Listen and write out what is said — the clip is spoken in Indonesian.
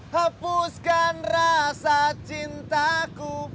hapuskan rasa cintaku